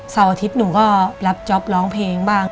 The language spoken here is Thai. อาทิตย์หนูก็รับจ๊อปร้องเพลงบ้าง